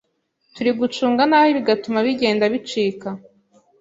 turi gucunga nabi bigatuma bigenda bicika.